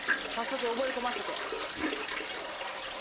早速覚え込ませて。